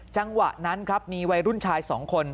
จังหวะนั้นครับมีวัยรุ่นชาย๒คน